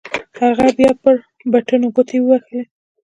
هغه بيا پر بټنو گوټې ووهلې.